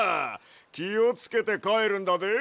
きをつけてかえるんだで。